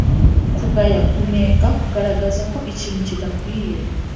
kugaya : kunenga; kugaragaza ko ikintu kidakwiye.